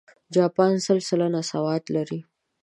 جاپان سل سلنه سواد لري.